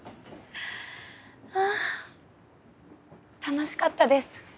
あぁ楽しかったです。